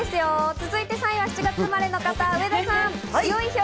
続いて３位は７月生まれの方、植田さん。